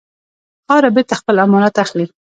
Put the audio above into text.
خاوره بېرته خپل امانت اخلي.